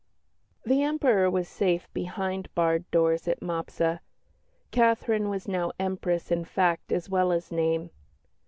The Emperor was safe behind barred doors at Mopsa; Catherine was now Empress in fact as well as name.